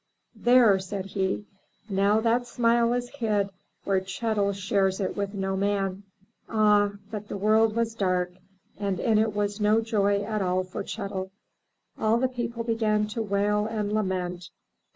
"There," said he, "now that smile is hid where Chet'l shares it with no man." Ah, but the world was dark, and in it was no joy at all for Chet'l. All the people began to wail and lament.